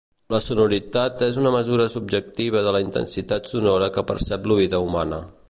La sonoritat és una mesura subjectiva de la intensitat sonora que percep l'oïda humana.